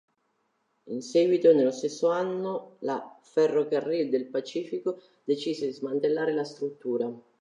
In seguito, nello stesso anno, la Ferrocarril del Pacífico decise di smantellare la struttura.